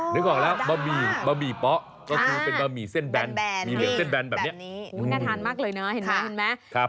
เดี๋ยวเขาก็เคยบะหมี่ป๊อตรงนี้เป็นบะหมี่เส้นแบนอู่วน่าทานมากเลยนะ